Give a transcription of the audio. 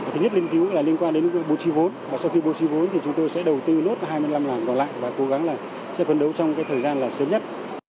thứ nhất liên cứu là liên quan đến bố trí vốn và sau khi bố trí vốn thì chúng tôi sẽ đầu tư lốt hai mươi năm làn còn lại và cố gắng là sẽ phấn đấu trong thời gian sớm nhất